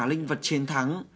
linh vật chiến thắng